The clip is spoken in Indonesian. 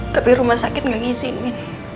tapi rumah sakit gak gini